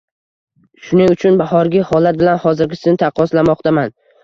Shuning uchun bahorgi holat bilan hozirgisini taqqoslamoqdaman.